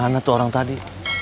kenapa dia kemana tadi